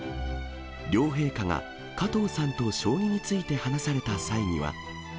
両陛下が加藤さんと将棋について話された際には。